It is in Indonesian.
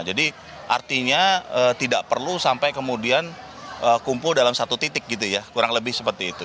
jadi artinya tidak perlu sampai kemudian kumpul dalam satu titik gitu ya kurang lebih seperti itu